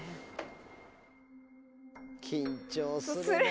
緊張するね。